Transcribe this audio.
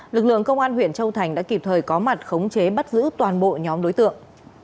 lực lượng công an huyện châu thành đã kịp thời có mặt khống chế bắt giữ toàn bộ nhóm đối tượng